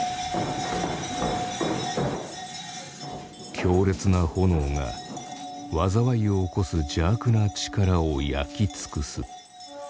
強烈な炎が災いを起こす邪悪な力を焼き尽くす。